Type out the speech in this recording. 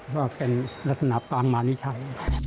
ก็เป็นลักษณะตามมานิชัย